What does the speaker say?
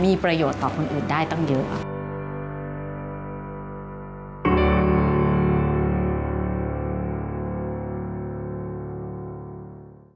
มีประโยชน์ต่อคนอื่นได้ตั้งเยอะค่ะ